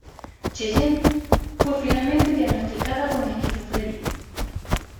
Cheyenne fue finalmente diagnosticada con esquizofrenia.